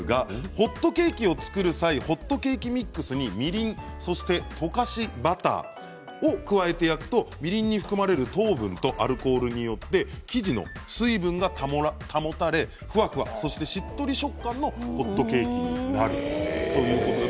ホットケーキを作る際ホットケーキミックスにみりん、そして溶かしバターを加えて焼くと、みりんに含まれる糖分とアルコールによって生地の水分が保たれてふわふわ、しっとり食感のホットケーキになるんだそうです。